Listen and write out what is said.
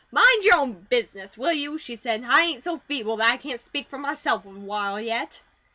"Mind your own business, will you?" she said. "I ain't so feeble that I can't speak for myself awhile yet."